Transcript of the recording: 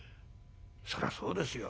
そらそうですよ。